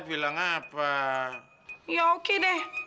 bilang apa ya oke deh